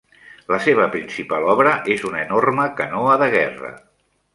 La seva principal obra és una enorme canoa de guerra.